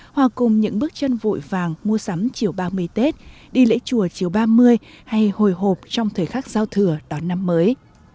hòa cùng những bước chân vội vàng mua sắm chiều ba mươi tết đi lễ chùa chiều ba mươi hay hồi hộp trong thời khắc giao thừa đón năm mới